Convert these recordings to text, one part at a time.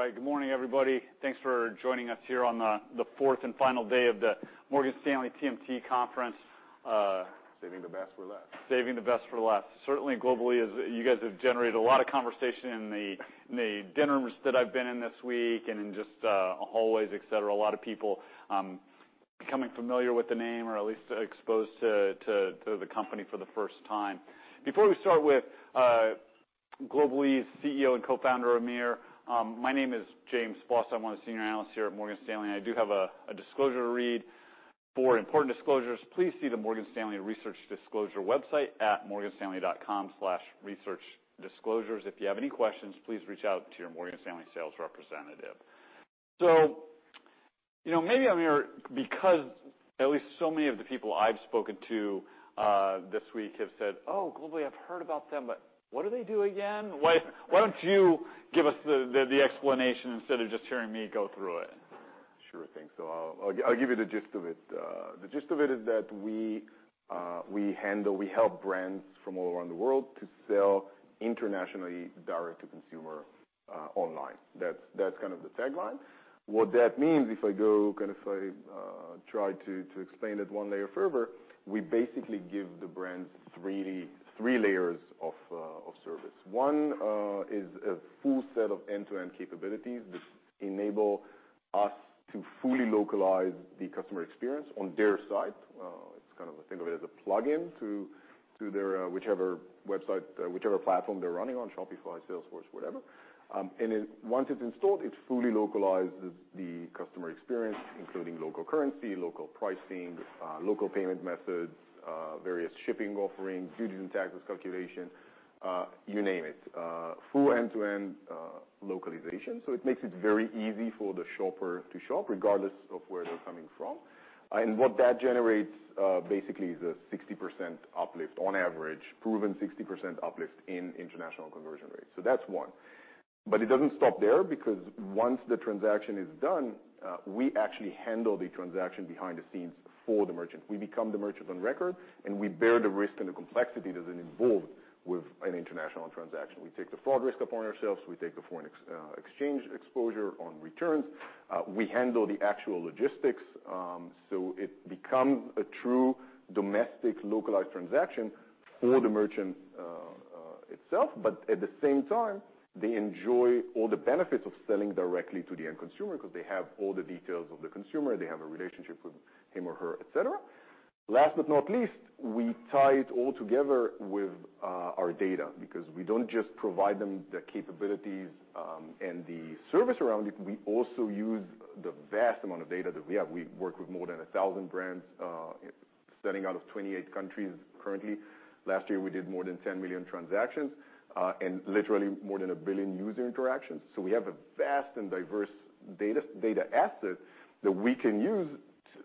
All right. Good morning, everybody. Thanks for joining us here on the fourth and final day of the Morgan Stanley TMT Conference. Saving the best for last. Saving the best for last. Certainly, Global-e is you guys have generated a lot of conversation in the dinners that I've been in this week and in just hallways, et cetera. A lot of people becoming familiar with the name or at least exposed to the company for the first time. Before we start with Global-e's CEO and co-founder, Amir, my name is James Faucette. I'm one of the senior analysts here at Morgan Stanley, I do have a disclosure to read. For important disclosures, please see the Morgan Stanley Research Disclosure website at morganstanley.com/research disclosures. If you have any questions, please reach out to your Morgan Stanley sales representative. You know, maybe, Amir, because at least so many of the people I've spoken to this week have said, "Oh, Global-e, I've heard about them, but what do they do again?" Why don't you give us the explanation instead of just hearing me go through it? Sure thing. I'll give you the gist of it. The gist of it is that we handle, we help brands from all around the world to sell internationally direct to consumer online. That's kind of the tagline. What that means, if I go kind of, try to explain it one layer further, we basically give the brands three layers of service. One is a full set of end-to-end capabilities which enable us to fully localize the customer experience on their side. It's kind of, think of it as a plug-in to their whichever website, whichever platform they're running on, Shopify, Salesforce, whatever. Once it's installed, it fully localizes the customer experience, including local currency, local pricing, local payment methods, various shipping offerings, duties and taxes calculation, you name it. Full end-to-end localization. It makes it very easy for the shopper to shop regardless of where they're coming from. What that generates, basically is a 60% uplift on average, proven 60% uplift in international conversion rates. That's one. It doesn't stop there because once the transaction is done, we actually handle the transaction behind the scenes for the merchant. We become the merchant on record, and we bear the risk and the complexity that is involved with an international transaction. We take the fraud risk upon ourselves. We take the foreign exchange exposure on returns. We handle the actual logistics, so it becomes a true domestic localized transaction for the merchant itself, but at the same time, they enjoy all the benefits of selling directly to the end consumer cause they have all the details of the consumer, they have a relationship with him or her, et cetera. Last but not least, we tie it all together with our data because we don't just provide them the capabilities and the service around it, we also use the vast amount of data that we have. We work with more than 1,000 brands selling out of 28 countries currently. Last year, we did more than 10 million transactions and literally more than 1 billion user interactions. We have a vast and diverse data asset that we can use to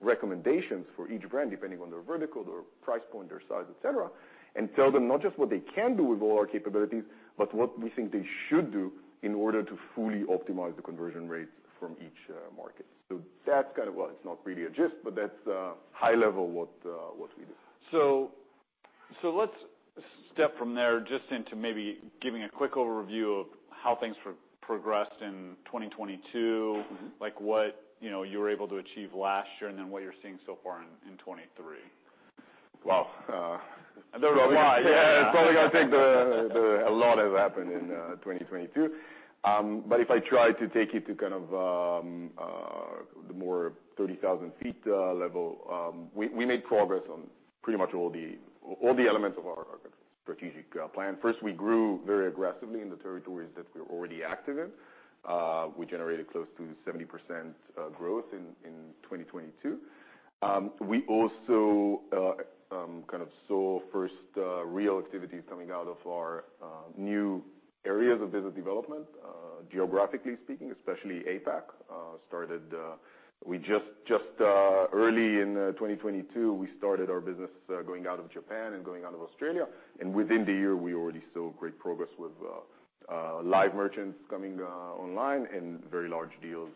recommendations for each brand, depending on their vertical, their price point, their size, et cetera, and tell them not just what they can do with all our capabilities, but what we think they should do in order to fully optimize the conversion rate from each market. Well, it's not really a gist, but that's the high level what we do. So, let's step from there just into maybe giving a quick overview of how things progressed in 2022. Mm-hmm. What, you know, you were able to achieve last year and then what you're seeing so far in 2023. Well, I don't know. A lot, yeah. Yeah. It's probably gonna take the... A lot has happened in 2022. If I try to take it to kind of the more 30,000 feet level, we made progress on pretty much all the elements of our strategic plan. First, we grew very aggressively in the territories that we're already active in. We generated close to 70% growth in 2022. We also kind of saw first real activity coming out of our new areas of business development, geographically speaking, especially APAC, started... We just early in 2022, we started our business going out of Japan and going out of Australia, and within the year, we already saw great progress with live merchants coming online and very large deals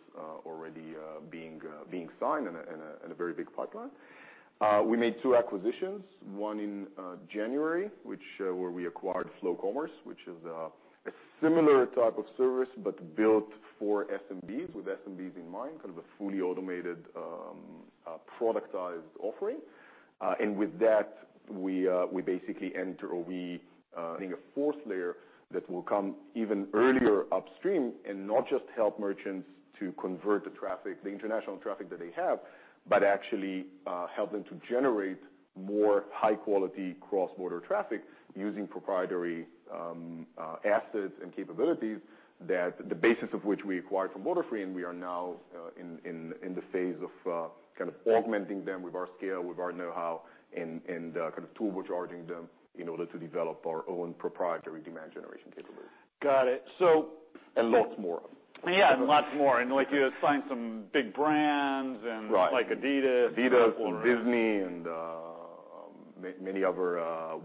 already being signed and a very big pipeline. We made two acquisitions, one in January, where we acquired Flow Commerce, which is a similar type of service but built for SMBs with SMBs in mind, kind of a fully automated productized offering. With that, we basically enter or we, adding a fourth layer that will come even earlier upstream and not just help merchants to convert the traffic, the international traffic that they have, but actually, help them to generate more high-quality cross-border traffic using proprietary assets and capabilities that the basis of which we acquired from Borderfree, and we are now, in the phase of, kind of augmenting them with our scale, with our know-how, and kind of turbocharging them in order to develop our own proprietary demand generation capabilities. Got it. Lots more. Yeah, lots more. I know you have signed some big brands and-. Right... like adidas and. adidas and Disney and many other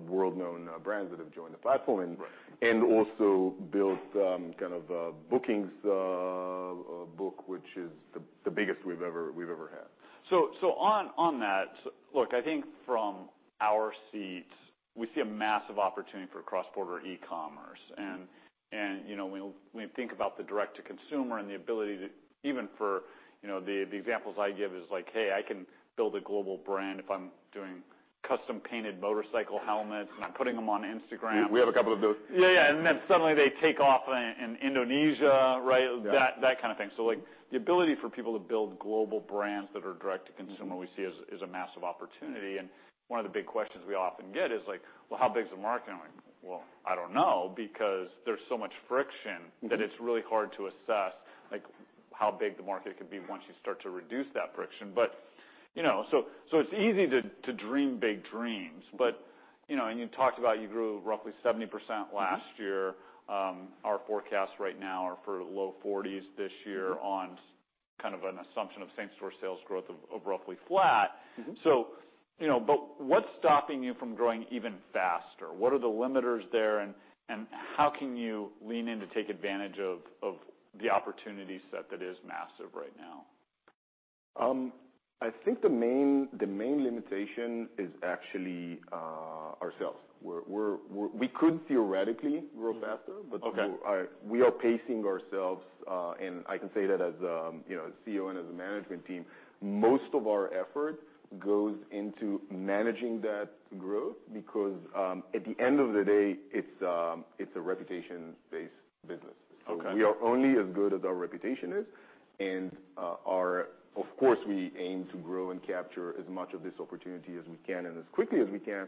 world-known brands that have joined the platform. Also built kind of bookings. The biggest we've ever had. On that, look, I think from our seat, we see a massive opportunity for cross-border e-commerce. You know, when we think about the direct to consumer and the ability to even for, you know, the examples I give is like, hey, I can build a global brand if I'm doing custom-painted motorcycle helmets, and I'm putting them on Instagram. We have a couple of those. Yeah, yeah. Suddenly they take off in Indonesia, right? Yeah. That kind of thing. Like, the ability for people to build global brands that are direct to consumer, we see as a massive opportunity. One of the big questions we often get is like, "Well, how big is the market?" I'm like, "Well, I don't know," because there's so much friction that it's really hard to assess, like how big the market could be once you start to reduce that friction. You know, so it's easy to dream big dreams, but, you know, and you talked about you grew roughly 70% last year. Our forecasts right now are for low 40s this year on kind of an assumption of same-store sales growth of roughly flat. Mm-hmm. you know, but what's stopping you from growing even faster? What are the limiters there, and how can you lean in to take advantage of the opportunity set that is massive right now? I think the main limitation is actually ourselves. We could theoretically grow faster. Okay. We are pacing ourselves. And I can say that as, you know, as CEO and as a management team, most of our effort goes into managing that growth because, at the end of the day, it's a reputation-based business. Okay. We are only as good as our reputation is. Of course, we aim to grow and capture as much of this opportunity as we can and as quickly as we can.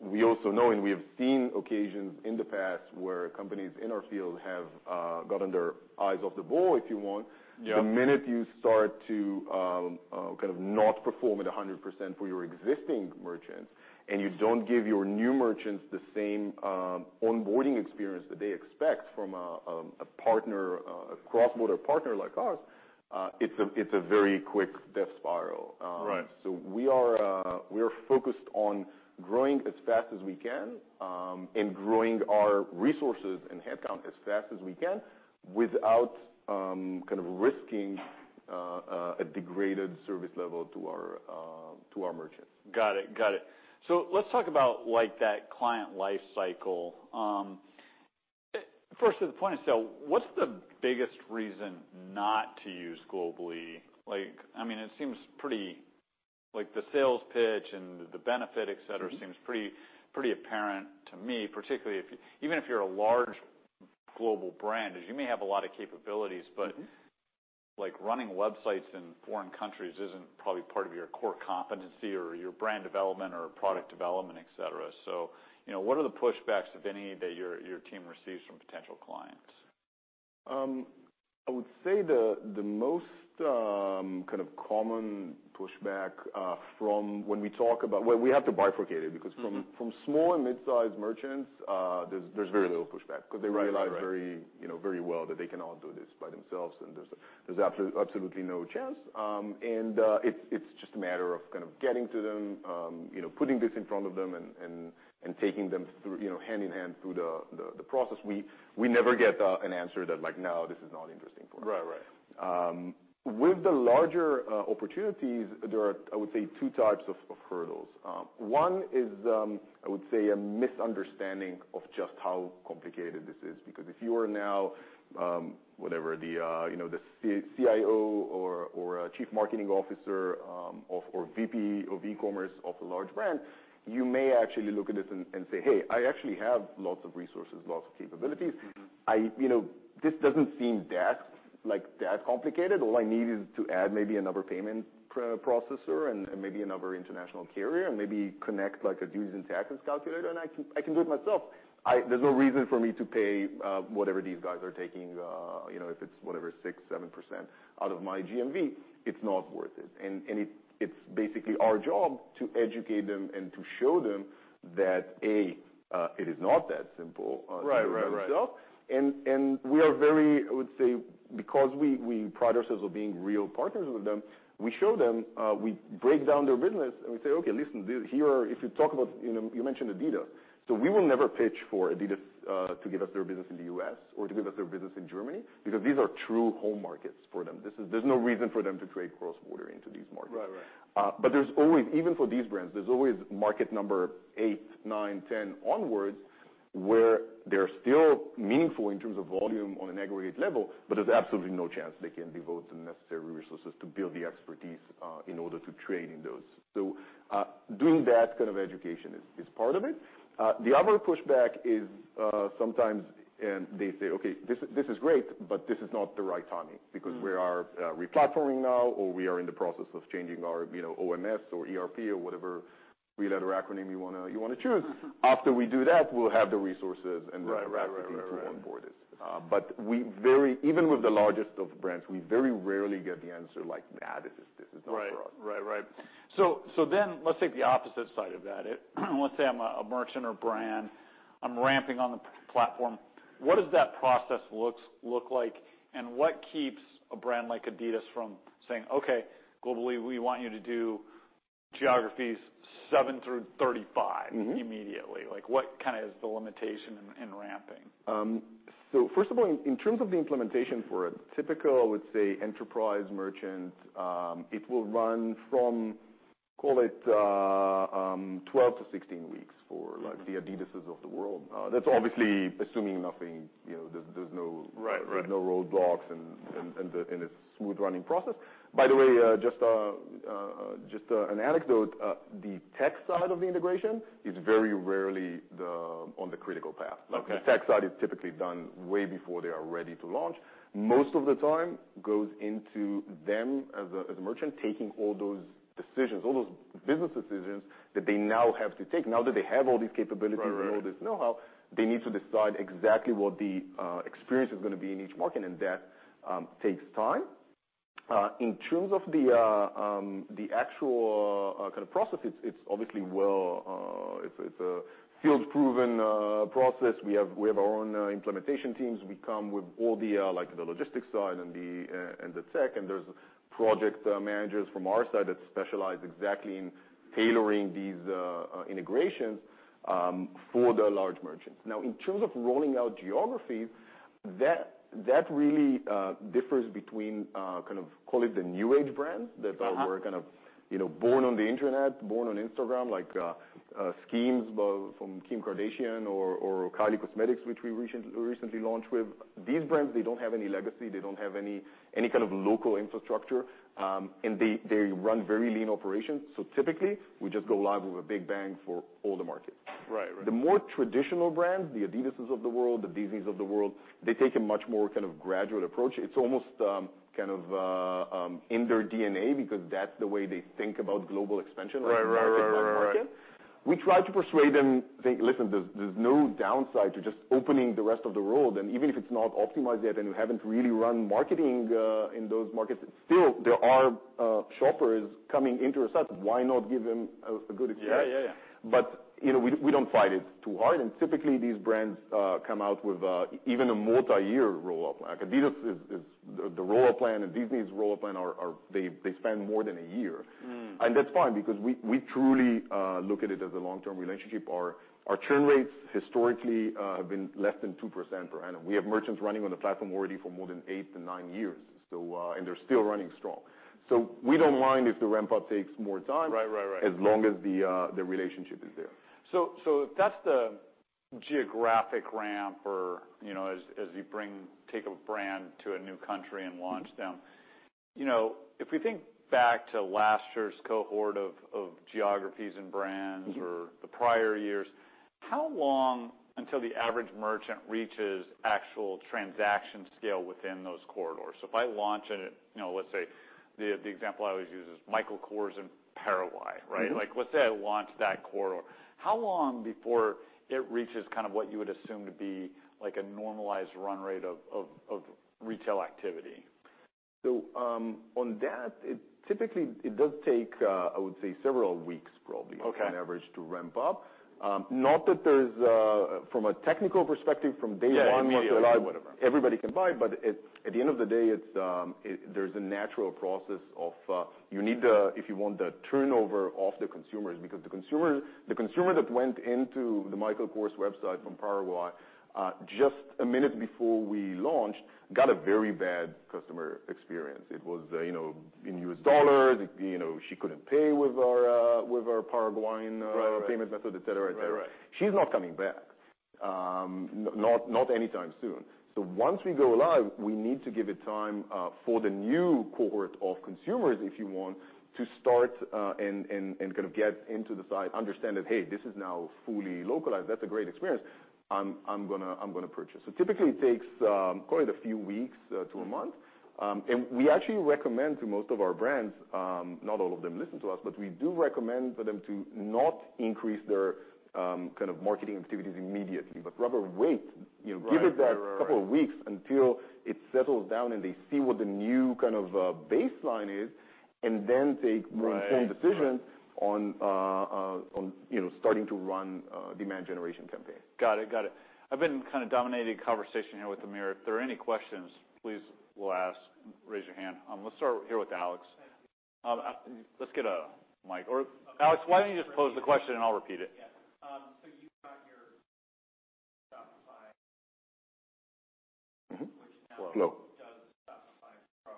We also know, and we have seen occasions in the past where companies in our field have got under eyes of the ball, if you want. Yeah. The minute you start to, kind of not perform at 100% for your existing merchants, and you don't give your new merchants the same, onboarding experience that they expect from a partner, a cross-border partner like us, it's a, it's a very quick death spiral. Right. We are focused on growing as fast as we can, and growing our resources and headcount as fast as we can without kind of risking a degraded service level to our merchants. Got it. Got it. Let's talk about, like, that client life cycle. First to the point of sale, what's the biggest reason not to use Global-e? Like, I mean, the sales pitch and the benefit, et cetera, seems pretty apparent to me, particularly even if you're a large global brand, you may have a lot of capabilities, but like running websites in foreign countries isn't probably part of your core competency or your brand development or product development, et cetera. You know, what are the pushbacks, if any, that your team receives from potential clients? I would say the most kind of common pushback. Well, we have to bifurcate it because from small and mid-size merchants, there's very little pushback because they realize very, you know, very well that they cannot do this by themselves, and there's absolutely no chance. It's just a matter of kind of getting to them, you know, putting this in front of them and taking them through, you know, hand-in-hand through the process. We never get an answer that like, "No, this is not interesting for us. Right. Right. With the larger opportunities, there are, I would say, two types of hurdles. One is, I would say, a misunderstanding of just how complicated this is. If you are now, whatever, the, you know, the CIO or a Chief Marketing Officer, or VP of e-commerce of a large brand, you may actually look at this and say, "Hey, I actually have lots of resources, lots of capabilities. I, you know, this doesn't seem that, like, that complicated. All I need is to add maybe another payment processor and maybe another international carrier, and maybe connect like a duties and taxes calculator, and I can do it myself. There's no reason for me to pay whatever these guys are taking, you know, if it's, whatever, 6%, 7% out of my GMV. It's not worth it. It's basically our job to educate them and to show them that, A, it is not that simple to do it themselves. Right. Right. Right. And we are very, I would say, because we pride ourselves on being real partners with them, we show them, we break down their business, and we say, "Okay, listen, here, if you talk about," you know, you mentioned adidas. We will never pitch for adidas, to give us their business in the U.S. or to give us their business in Germany, because these are true home markets for them. There's no reason for them to trade cross-border into these markets. Right. Right. But there's always, even for these brands, there's always market number 8, 9, 10 onwards, where they're still meaningful in terms of volume on an aggregate level, but there's absolutely no chance they can devote the necessary resources to build the expertise in order to trade in those. Doing that kind of education is part of it. The other pushback is sometimes, and they say, "Okay, this is great, but this is not the right timing because we are replatforming now, or we are in the process of changing our, you know, OMS or ERP or whatever three-letter acronym you wanna, you wanna choose. After we do that, we'll have the resources and then- Right. Right. Right.... come back to you to onboard us." Even with the largest of brands, we very rarely get the answer like, "Nah, this is, this is not for us. Right. Then let's take the opposite side of that. Let's say I'm a merchant or brand. I'm ramping on the platform. What does that process look like? What keeps a brand like adidas from saying, "Okay, Global-e, we want you to do Geographies 7 through 35- Mm-hmm... immediately. Like what kind of is the limitation in ramping? First of all, in terms of the implementation for a typical, I would say, enterprise merchant, it will run from, call it, 12-16 weeks for like the adidas' of the world. That's obviously assuming nothing, you know, there's. Right.... no roadblocks and it's smooth-running process. By the way, just an anecdote, the tech side of the integration is very rarely on the critical path. Okay. The tech side is typically done way before they are ready to launch. Most of the time goes into them as a merchant taking all those decisions, all those business decisions that they now have to take. Now that they have all these capabilities. Right. Right. Right.... and all this knowhow, they need to decide exactly what the experience is gonna be in each market, and that takes time. In terms of the actual kind of processes, it's obviously well, it's a field-proven process. We have our own implementation teams. We come with all the like the logistics side and the and the tech, and there's project managers from our side that specialize exactly in tailoring these integrations for the large merchants. In terms of rolling out geographies, that really differs between kind of call it the new age brands- Uh-huh... that were kind of, you know, born on the internet, born on Instagram like SKIMS from Kim Kardashian or Kylie Cosmetics, which we recently launched with. These brands, they don't have any legacy. They don't have any kind of local infrastructure. And they run very lean operations. Typically, we just go live with a big bang for all the markets. Right. Right. The more traditional brands, the adidas' of the world, the Disney's of the world, they take a much more kind of gradual approach. It's almost, kind of, in their DNA because that's the way they think about global expansion. Right. Right. Right. Right. Right... like market by market. We try to persuade them, think, "Listen, there's no downside to just opening the rest of the world. Even if it's not optimized yet and you haven't really run marketing in those markets, still there are shoppers coming into our site. Why not give them a good experience? Yeah. Yeah. Yeah. you know, we don't fight it too hard, and typically these brands come out with even a multiyear rollout plan. Like adidas' is the rollout plan and Disney's rollout plan are they span more than a year. Mm. That's fine because we truly look at it as a long-term relationship. Our churn rates historically have been less than 2% per annum. We have merchants running on the platform already for more than 8 to 9 years, so and they're still running strong. We don't mind if the ramp-up takes more time. Right. Right. Right.... as long as the relationship is there. If that's the geographic ramp or, you know, as you bring, take a brand to a new country and launch them, you know, if we think back to last year's cohort of geographies and brands. Mm-hmm... or the prior years, how long until the average merchant reaches actual transaction scale within those corridors? If I launch in, you know, let's say, the example I always use is Michael Kors in Paraguay, right? Mm-hmm. Like, let's say I launch that corridor. How long before it reaches kind of what you would assume to be like a normalized run rate of retail activity? on that it typically, it does take, I would say several weeks probably. Okay... on average to ramp up. Not that there's, from a technical perspective from day one. Yeah. Immediately or whatever.... once you're live, everybody can buy. At the end of the day, it's, there's a natural process of, you need, if you want the turnover of the consumers. Because the consumer that went into the Michael Kors website from Paraguay, just a minute before we launched, got a very bad customer experience. It was, you know, in U.S. dollars. You know, she couldn't pay with our Paraguayan Guaraní. Right.... payment method, et cetera, et cetera. Right. Right. She's not coming back, not anytime soon. Once we go live, we need to give it time for the new cohort of consumers, if you want, to start and kind of get into the site, understand that, hey, this is now fully localized. That's a great experience. I'm gonna purchase. Typically it takes, call it a few weeks to a month. We actually recommend to most of our brands, not all of them listen to us, but we do recommend for them to not increase their kind of marketing activities immediately, but rather wait. You know. Right. Right. Right. give it that couple of weeks until it settles down and they see what the new kind of baseline is and then take. Right.... informed decision on, you know, starting to run, demand generation campaign. Got it. Got it. I've been kind of dominating conversation here with Amir. If there are any questions, please, we'll ask, raise your hand. Let's start here with Alex. Let's get a mic. Or Alex, why don't you just pose the question and I'll repeat it? Yeah. You've got your Shopify Hello.... which now does Shopify Pro.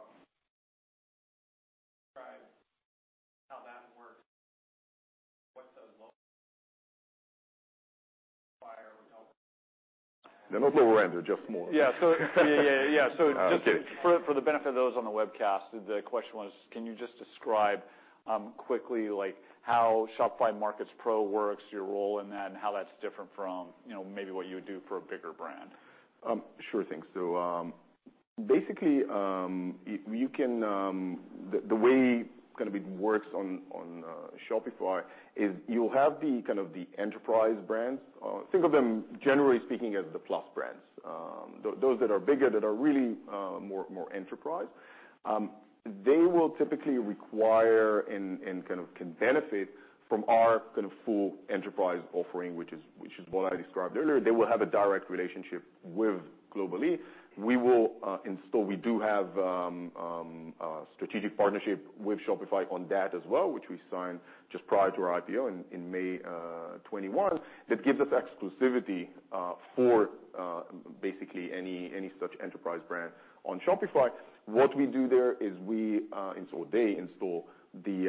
Describe how that works. What's the most Not overrated, just small. Yeah. Just for the benefit of those on the webcast, the question was can you just describe, quickly like how Shopify Markets Pro works, your role in that, and how that's different from, you know, maybe what you would do for a bigger brand? Sure thing. Basically, you can the way kind of it works on Shopify is you'll have the kind of the enterprise brands. Think of them generally speaking as the plus brands. Those that are bigger, that are really more enterprise. They will typically require and kind of can benefit-From our kind of full enterprise offering, which is what I described earlier, they will have a direct relationship with Global-e. We will We do have a strategic partnership with Shopify on that as well, which we signed just prior to our IPO in May 2021. That gives us exclusivity for basically any such enterprise brand on Shopify. What we do there is we. They install the, we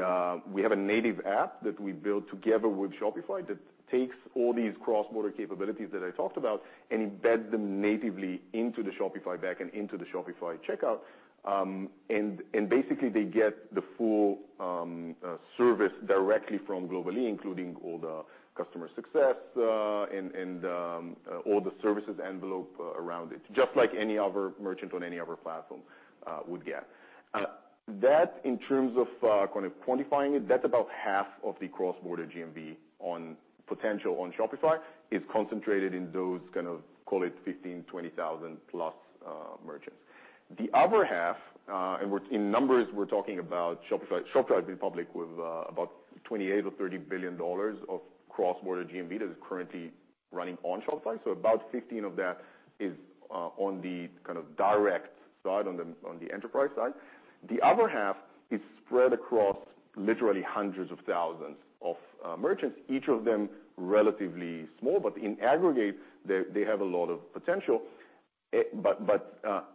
have a native app that we built together with Shopify that takes all these cross-border capabilities that I talked about and embeds them natively into the Shopify backend, into the Shopify checkout. Basically they get the full service directly from Global-e, including all the customer success, and, all the services envelope around it, just like any other merchant on any other platform would get. That in terms of kind of quantifying it, that's about half of the cross-border GMV on potential on Shopify is concentrated in those kind of call it 15, 20 thousand+ merchants. The other half, and in numbers, we're talking about Shopify. Shopify has been public with about $28 billion or $30 billion of cross-border GMV that is currently running on Shopify. About 15 of that is on the kind of direct side, on the enterprise side. The other half is spread across literally hundreds of thousands of merchants, each of them relatively small, but in aggregate they have a lot of potential.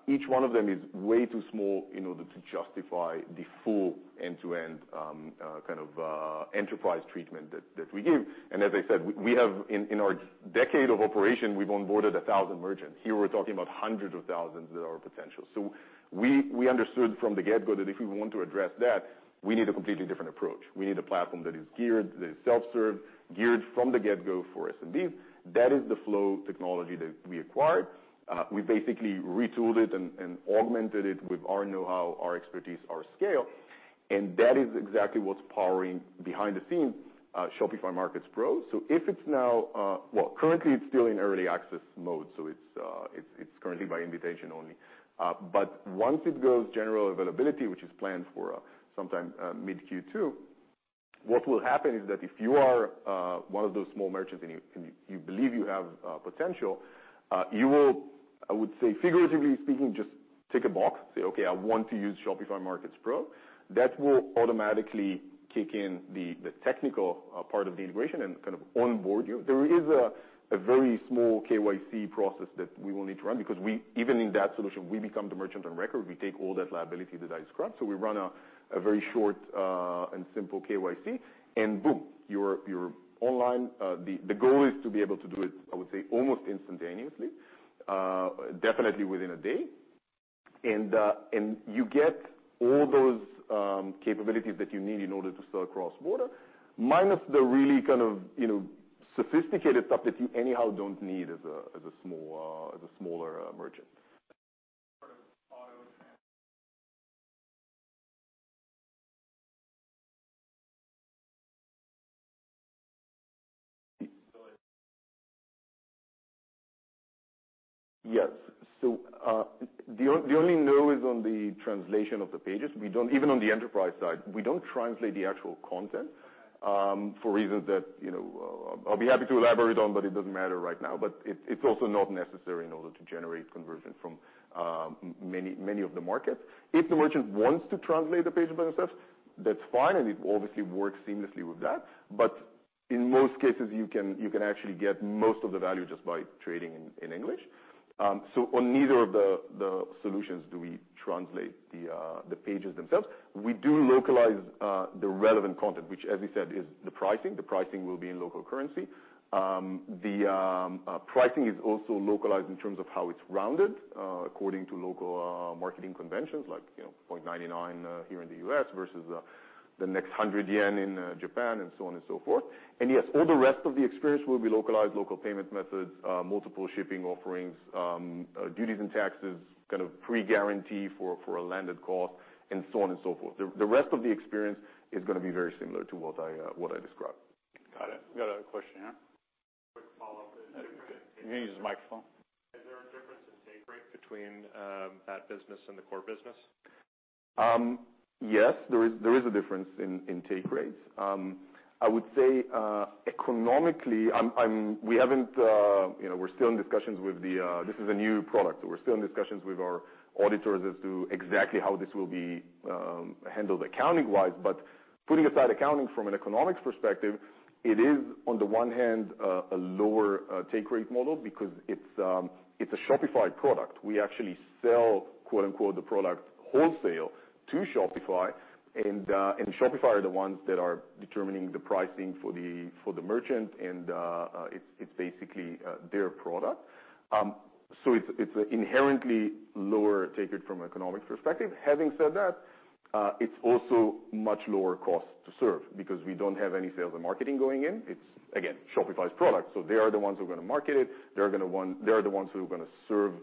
Each one of them is way too small in order to justify the full end-to-end enterprise treatment that we give. As I said, we have in our decade of operation, we've onboarded 1,000 merchants. Here, we're talking about hundreds of thousands that are potential. We understood from the get-go that if we want to address that, we need a completely different approach. We need a platform that is geared, that is self-serve, geared from the get-go for SMBs. That is the Flow technology that we acquired. We basically retooled it and augmented it with our know-how, our expertise, our scale, and that is exactly what's powering behind the scenes, Shopify Markets Pro. If it's now... Well, currently it's still in early access mode, so it's currently by invitation only. Once it goes general availability, which is planned for sometime mid-Q2, what will happen is that if you are one of those small merchants and you, and you believe you have potential, you will, I would say, figuratively speaking, just tick a box, say, "Okay, I want to use Shopify Markets Pro." That will automatically kick in the technical part of the integration and kind of onboard you. There is a very small KYC process that we will need to run because even in that solution, we become the merchant on record. We take all that liability that I described. We run a very short and simple KYC and boom, you're online. The goal is to be able to do it, I would say, almost instantaneously, definitely within a day. You get all those capabilities that you need in order to sell cross-border, minus the really kind of, you know, sophisticated stuff that you anyhow don't need as a small, as a smaller merchant. Sort of auto trans-. Yes. The only no is on the translation of the pages. We don't Even on the enterprise side, we don't translate the actual content, for reasons that, you know, I'll be happy to elaborate on, but it doesn't matter right now. It's also not necessary in order to generate conversion from many of the markets. If the merchant wants to translate the page by themselves, that's fine, and it obviously works seamlessly with that. In most cases, you can actually get most of the value just by trading in English. On neither of the solutions do we translate the pages themselves. We do localize the relevant content, which as you said, is the pricing. The pricing will be in local currency. The pricing is also localized in terms of how it's rounded according to local marketing conventions like, you know, $0.99 here in the U.S. versus the next 100 yen in Japan and so on and so forth. Yes, all the rest of the experience will be localized: local payment methods, multiple shipping offerings, duties and taxes, kind of pre-guarantee for a landed cost and so on and so forth. The rest of the experience is gonna be very similar to what I described. Got it. Got a question here. Quick follow-up. Can you use the microphone? Is there a difference in take rate between that business and the core business? Yes, there is a difference in take rates. I would say, economically, we haven't, you know, we're still in discussions with the. This is a new product, so we're still in discussions with our auditors as to exactly how this will be handled accounting-wise. Putting aside accounting from an economics perspective, it is, on the one hand, a lower take rate model because it's a Shopify product. We actually sell, quote-unquote, the product wholesale to Shopify, and Shopify are the ones that are determining the pricing for the merchant and it's basically their product. It's inherently lower take it from an economics perspective. Having said that, it's also much lower cost to serve because we don't have any sales and marketing going in. It's again, Shopify's product, they are the ones who are gonna market it. They are the ones who are gonna serve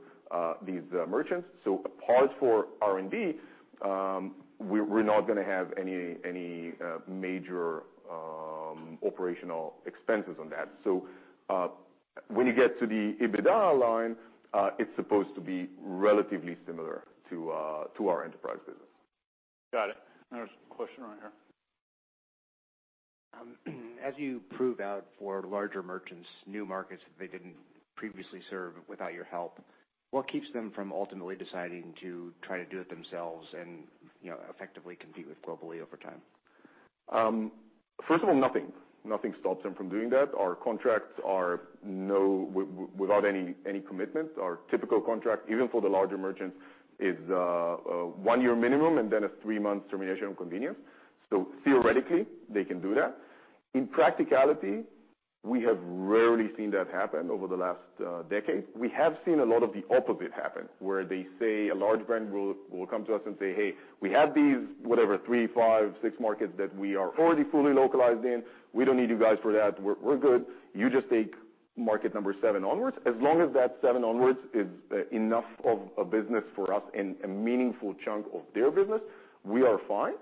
these merchants. Apart for R&D, we're not gonna have any major operational expenses on that. When you get to the EBITDA line, it's supposed to be relatively similar to our enterprise business. Got it. There's a question right here. As you prove out for larger merchants new markets that they didn't previously serve without your help, what keeps them from ultimately deciding to try to do it themselves and, you know, effectively compete with Global-e over time? First of all, nothing. Nothing stops them from doing that. Our contracts are without any commitment. Our typical contract, even for the larger merchants, is a one-year minimum, and then a three-month termination of convenience. Theoretically, they can do that. In practicality, we have rarely seen that happen over the last decade. We have seen a lot of the opposite happen, where they say a large brand will come to us and say, "Hey, we have these," whatever, 3, 5, 6 markets that we are already fully localized in. "We don't need you guys for that. We're good. You just take market number 7 onwards." As long as that 7 onwards is enough of a business for us and a meaningful chunk of their business, we are fine.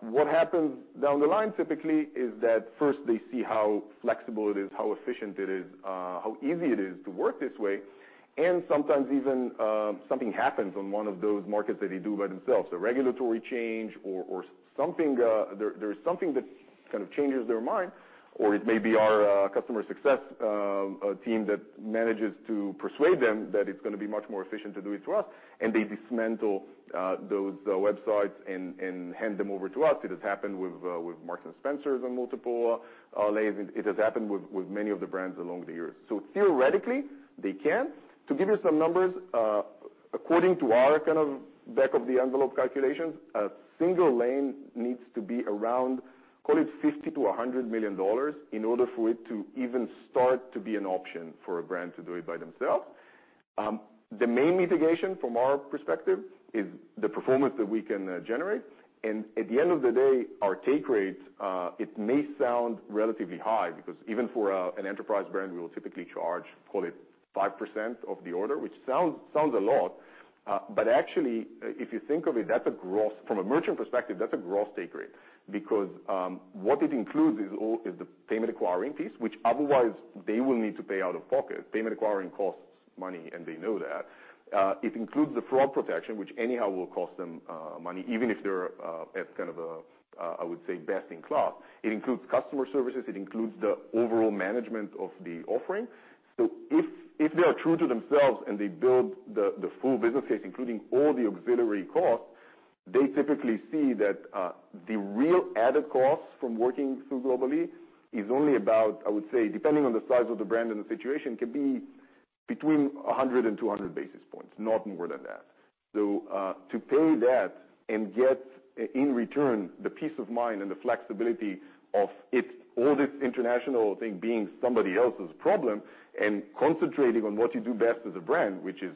What happens down the line typically is that first they see how flexible it is, how efficient it is, how easy it is to work this way. Sometimes even, something happens on one of those markets that they do by themselves, a regulatory change or something, there's something that kind of changes their mind, or it may be our customer success team that manages to persuade them that it's gonna be much more efficient to do it through us, and they dismantle those websites and hand them over to us. It has happened with Marks & Spencer on multiple lanes. It has happened with many of the brands along the years. Theoretically, they can. To give you some numbers, according to our kind of back of the envelope calculations, a single lane needs to be around, call it $50 million-$100 million in order for it to even start to be an option for a brand to do it by themselves. The main mitigation from our perspective is the performance that we can generate. At the end of the day, our take rates, it may sound relatively high, because even for an enterprise brand, we will typically charge, call it 5% of the order, which sounds a lot. Actually, if you think of it, from a merchant perspective, that's a gross take rate. What it includes is the payment acquiring piece, which otherwise they will need to pay out of pocket. Payment acquiring costs money, and they know that. It includes the fraud protection, which anyhow will cost them money, even if they're at kind of a, I would say best in class. It includes customer services. It includes the overall management of the offering. If they are true to themselves and they build the full business case, including all the auxiliary costs, they typically see that the real added costs from working through Global-e is only about, I would say, depending on the size of the brand and the situation, can be between 100 and 200 basis points, not more than that. to pay that and get in return the peace of mind and the flexibility of it, all this international thing being somebody else's problem and concentrating on what you do best as a brand, which is,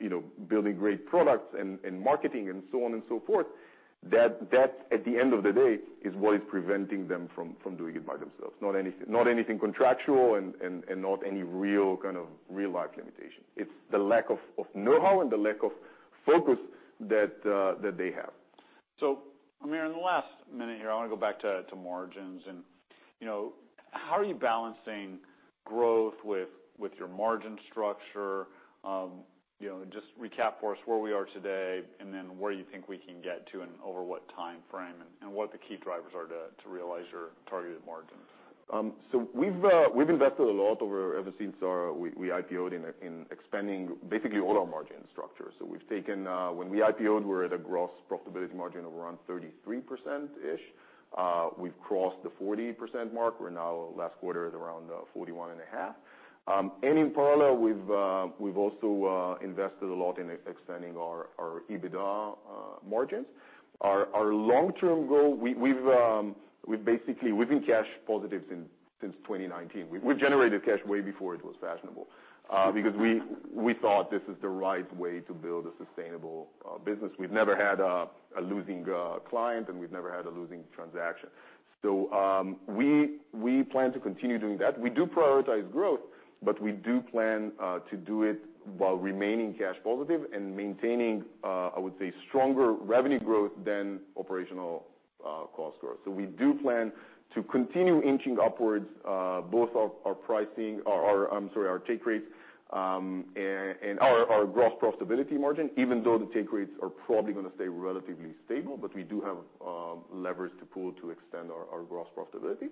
you know, building great products and marketing and so on and so forth, that, at the end of the day, is what is preventing them from doing it by themselves. Not anything contractual and not any real kind of real-life limitation. It's the lack of know-how and the lack of focus that they have. Amir, in the last minute here, I wanna go back to margins. You know, how are you balancing growth with your margin structure? You know, just recap for us where we are today, and then where you think we can get to and over what timeframe, and what the key drivers are to realize your targeted margins. We've invested a lot over ever since our we IPO'd in expanding basically all our margin structure. We've taken. When we IPO'd, we were at a gross profitability margin of around 33%-ish. We've crossed the 40% mark. We're now last quarter at around 41.5%. In parallel, we've also invested a lot in extending our EBITDA margins. Our long-term goal, we've basically been cash positive since 2019. We've generated cash way before it was fashionable because we thought this is the right way to build a sustainable business. We've never had a losing client, we've never had a losing transaction. We plan to continue doing that. We do prioritize growth, but we do plan to do it while remaining cash positive and maintaining, I would say, stronger revenue growth than operational cost growth. We do plan to continue inching upwards, both our pricing or our, I'm sorry, our take rates, and our gross profitability margin, even though the take rates are probably gonna stay relatively stable. We do have levers to pull to extend our gross profitability.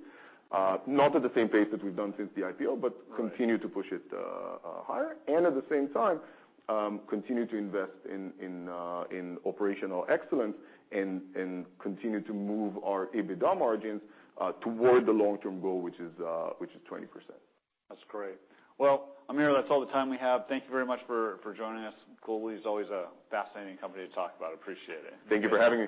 Not at the same pace that we've done since the IPO- Right. Continue to push it higher. At the same time, continue to invest in operational excellence and continue to move our EBITDA margins toward the long-term goal, which is 20%. That's great. Amir, that's all the time we have. Thank you very much for joining us. Global-e is always a fascinating company to talk about. Appreciate it. Thank you for having me.